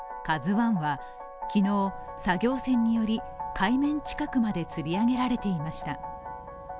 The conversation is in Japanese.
「ＫＡＺＵⅠ」は昨日、作業船により海面近くにまでつり上げられていました。